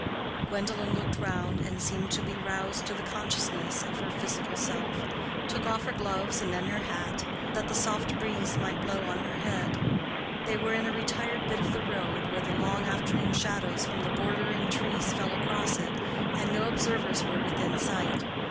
Gwendolen looked round, and seeming to be roused to the consciousness of her physical self, took off her gloves and then her hat, that the soft breeze might blow on her head. They were in a retired bit of the road, where the long afternoon shadows from the bordering trees fell across it and no observers were within sight.